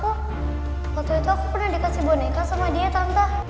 waktu itu aku pernah dikasih boneka sama dia tante